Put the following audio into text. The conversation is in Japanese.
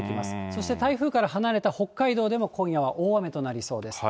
そして台風から離れた北海道でも今夜は大雨となりそうです。